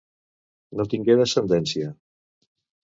No tingué descendència.